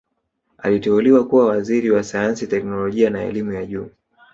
aliteuliwa kuwa Waziri wa sayansi teknolojia na elimu ya juu